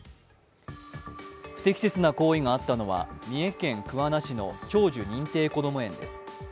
不適切な行為があったのは三重県桑名市の長寿認定こども園です。